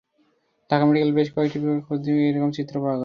ঢাকা মেডিকেলের বেশ কটি বিভাগে খোঁজ নিয়েও একই রকম চিত্র পাওয়া গেল।